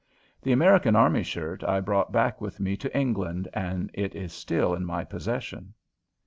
The American army shirt I brought back with me to England, and it is still in my possession.